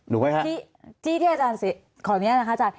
ถูกไหมครับที่ที่อาจารย์ขออนุญาตนะครับอาจารย์